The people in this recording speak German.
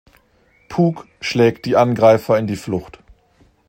Pug schlägt die Angreifer in die Flucht.